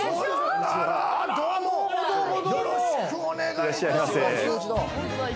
よろしくお願いします。